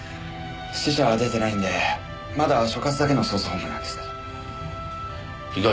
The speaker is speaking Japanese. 死者は出てないんでまだ所轄だけの捜査本部なんですけど。